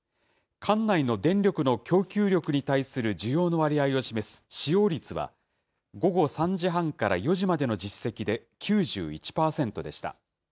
管内の電力の供給力に対する需要の割合を示す使用率は、午後３時半から４時までの実績で９１％でした。